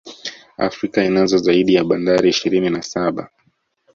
Afrika inazo zaidi ya Bandari ishirini na saba